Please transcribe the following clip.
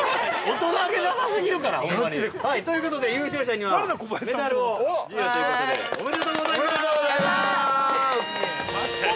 大人げなさ過ぎるから。ということで優勝者にはメダルを授与ということでおめでとうございます。